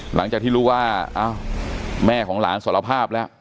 หลังจากที่รู้ว่าแม่ของหลานสารภาพแล้ว